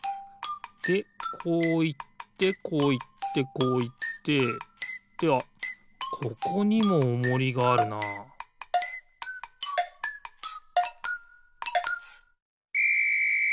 でこういってこういってこういってではここにもおもりがあるなピッ！